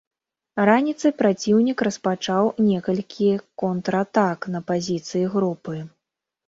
Раніцай праціўнік распачаў некалькі контратак на пазіцыі групы.